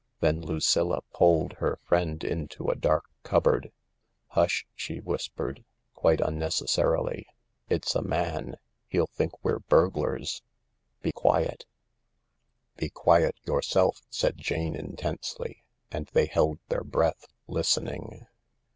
Then Lucilla pulled her friend into a dark cupboard. "Hush!" she whispered, quite unnecessarily. "It's a man— he'll think we're burglars. Be quiet." 54 THE LARK " Be quiet yourself," said Jane intensely. And they held their breath, listening.